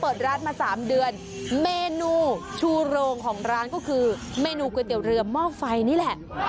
เปิดร้านมา๓เดือนเมนูชูโรงของร้านก็คือเมนูก๋วยเตี๋ยวเรือหม้อไฟนี่แหละ